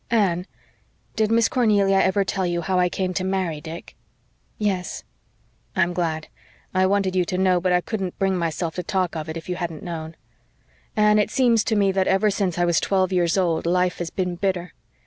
Anne, did Miss Cornelia ever tell you how I came to marry Dick?" "Yes." "I'm glad I wanted you to know but I couldn't bring myself to talk of it if you hadn't known. Anne, it seems to me that ever since I was twelve years old life has been bitter.